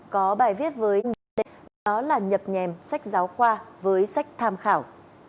có bài viết với nhập nhèm sách giáo khoa với sách tham khảo